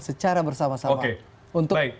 secara bersama sama untuk